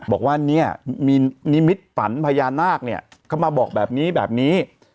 บอกว่าเนี่ยมีนิมิตฝันพญานาคเนี่ยเขามาบอกแบบนี้แบบนี้